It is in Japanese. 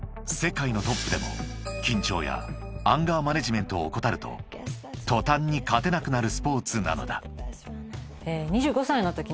［世界のトップでも緊張やアンガーマネジメントを怠ると途端に勝てなくなるスポーツなのだ］